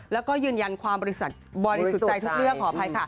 แล้วก็ยืนยันความบริสุทธิ์ใจทุกเรื่องขออภัยค่ะ